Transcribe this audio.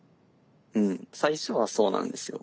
うん最初はそうなんですよ。